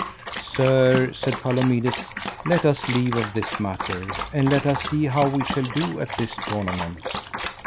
Sir, said Palomides, let us leave of this matter, and let us see how we shall do at this tournament.